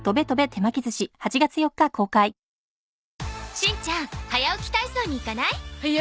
しんちゃん早起き体操に行かない？